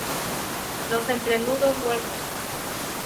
Los entrenudos huecos.